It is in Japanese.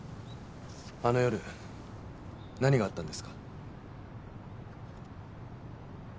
あの夜何があったんですか？